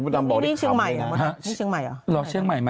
นี่เชียงใหม่อ่ะ